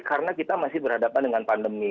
karena kita masih berhadapan dengan pandemi